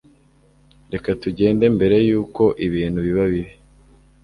Reka tugende mbere yuko ibintu biba bibi